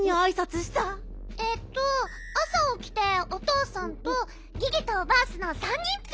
えっとあさおきておとうさんとギギとバースの３人ッピ。